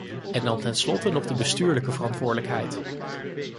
En dan tenslotte nog de bestuurlijke verantwoordelijkheid.